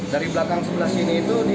dari belakang sebelah sini itu